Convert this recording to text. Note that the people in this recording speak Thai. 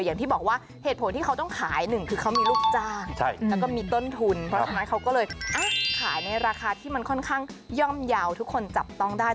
อย่างที่บอกว่าเหตุผลที่เขาต้องขายหนึ่งคือเขามีลูกจ้างแล้วก็มีต้นทุนเพราะฉะนั้นเขาก็เลยขายในราคาที่มันค่อนข้างย่อมเยาว์ทุกคนจับต้องได้